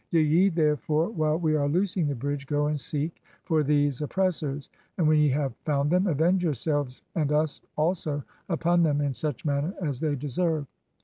Do ye, therefore, while we are loosing the bridge, go and seek for these oppres sors, and when ye have found them, avenge yourselves and us also upon them in such manner as they deserve."